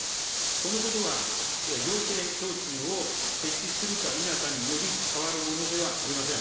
このことは、行政標柱を設置するか否かにより、変わるものではありません。